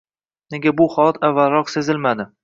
Nega bu holat avvalroq sezilmadi?